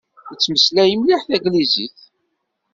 Yettmeslay mliḥ taglizit.